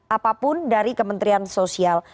apapun dari kementerian sosial